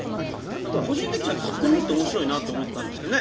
個人的にはツッコミって面白いなと思ったんですけどね。